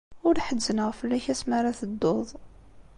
Ur ḥezzneɣ fell-ak asmi ara tedduḍ.